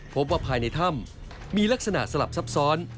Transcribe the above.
พบว่าภายในถ้ำมีลักษณะสลับซับซ้อน